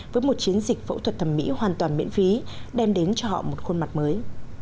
với một chiến dịch phẫu thuật thẩm mỹ hoàn toàn miễn phí đem đến cho họ một khuôn mặt mới